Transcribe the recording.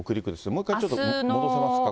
もう一回ちょっと戻せますか。